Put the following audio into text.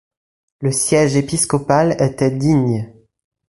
Le siège épiscopal était Digne.